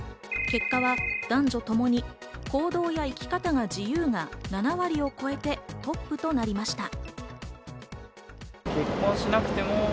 結果は男女ともに行動や生き方が自由が７割を超えてトップとなりました。